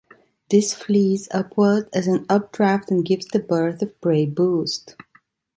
This flees upward as an updraft and gives the bird of prey boost.